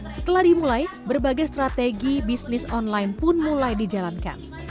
setelah dimulai berbagai strategi bisnis online pun mulai dijalankan